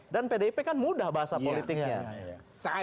dan pdip kan mudah bahasa politiknya